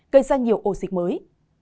gây ra nhiều ô xích mới